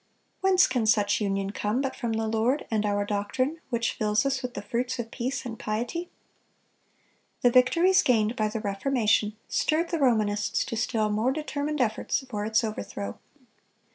Whence can such union come but from the Lord, and our doctrine, which fills us with the fruits of peace and piety?"(259) The victories gained by the Reformation stirred the Romanists to still more determined efforts for its overthrow.